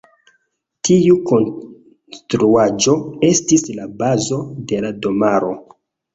Tiu konstruaĵo estis la bazo de la domaro.